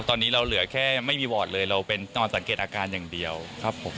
ตอนนี้เราเหลือแค่ไม่มีวอร์ดเลยเราเป็นนอนสังเกตอาการอย่างเดียวครับผม